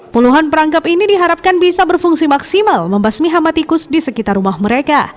puluhan perangkap ini diharapkan bisa berfungsi maksimal membasmi hama tikus di sekitar rumah mereka